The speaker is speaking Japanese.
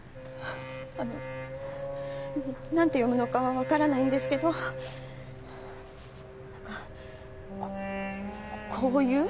あの何て読むのかは分からないんですけど何かこういう？